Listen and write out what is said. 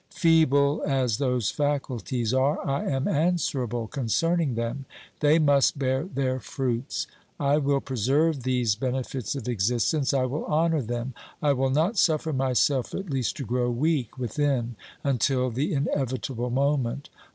Feeble as those faculties are, I am answerable concerning them : they must bear their fruits. I will preserve these benefits of existence ; I will honour them. I will not suffer myself at least to grow weak within until the in evitable moment.